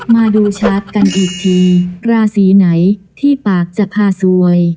มาดูชาร์จกันอีกทีราศีไหนที่ปากจะพาสวย